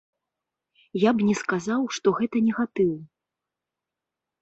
Я б не сказаў, што гэта негатыў.